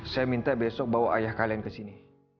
saya minta besok bawa ayah kalian ke sini